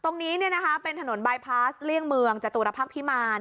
ตรงนี้เป็นถนนบายพาสเลี่ยงเมืองจตุรพักษ์พิมาร